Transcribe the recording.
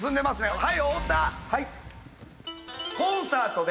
はい。